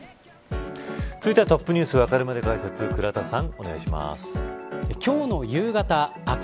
続いてはＴｏｐｎｅｗｓわかるまで解説倉田さん